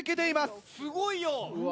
すごいよ！